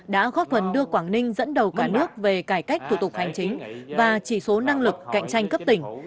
đã góp phần đưa quảng ninh dẫn đầu cả nước về cải cách thủ tục hành chính và chỉ số năng lực cạnh tranh cấp tỉnh